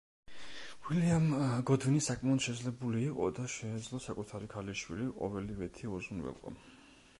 უილიამ გოდვინი საკმაოდ შეძლებული იყო და შეეძლო საკუთარი ქალიშვილი ყოველივეთი უზრუნველყო.